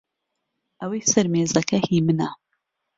ئەوەی سەر مێزەکە هی منە.